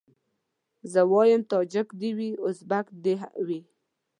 زه وايم تاجک دي وي ازبک دي وي